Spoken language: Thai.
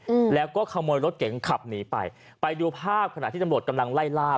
อืมแล้วก็ขโมยรถเก๋งขับหนีไปไปดูภาพขณะที่ตำรวจกำลังไล่ล่า